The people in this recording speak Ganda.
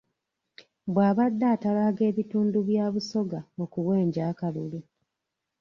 Bw'abadde atalaaga ebitundu bya Busoga okuwenja akalulu.